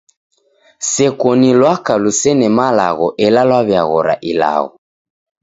Seko ni lwaka lusene malagho ela lwaw'iaghora ilagho.